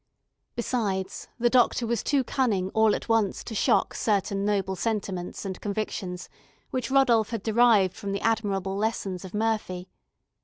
Besides, the doctor was too cunning all at once to shock certain noble sentiments and convictions which Rodolph had derived from the admirable lessons of Murphy.